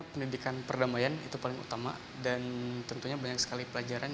pendidikan perdamaian itu paling utama dan tentunya banyak sekali pelajaran